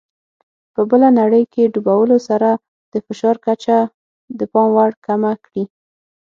په بله نړۍ کې ډوبولو سره د فشار کچه د پام وړ کمه کړي.